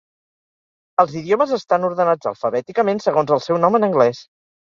Els idiomes estan ordenats alfabèticament segons el seu nom en anglès.